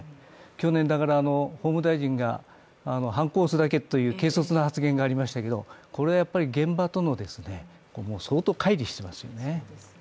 去年だから法務大臣がはんこを押すだけという軽率な発言がありましたけれども、これはやっぱり現場と相当、乖離していますよね。